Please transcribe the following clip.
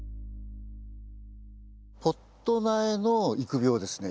ポット苗の育苗ですね